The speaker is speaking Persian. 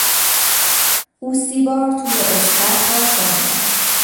او سی بار طول استخر را شنا کرد.